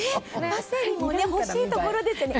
パセリもおいしいところですよね。